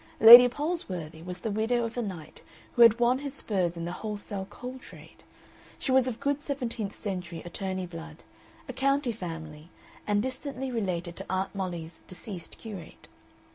Lady Palsworthy was the widow of a knight who had won his spurs in the wholesale coal trade, she was of good seventeenth century attorney blood, a county family, and distantly related to Aunt Mollie's deceased curate.